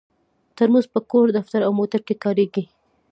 ترموز په کور، دفتر او موټر کې کارېږي.